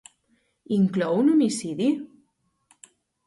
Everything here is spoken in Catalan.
Inclou un homicidi?